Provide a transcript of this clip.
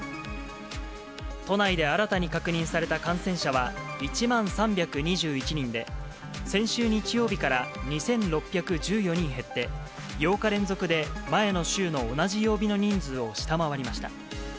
都内で新たに確認された感染者は１万３２１人で、先週日曜日から２６１４人減って、８日連続で、前の週の同じ曜日の人数を下回りました。